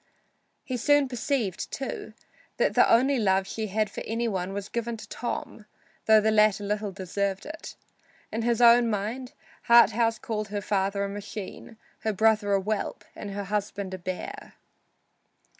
He soon perceived, too, that the only love she had for any one was given to Tom, though the latter little deserved it. In his own mind Harthouse called her father a machine, her brother a whelp and her husband a bear.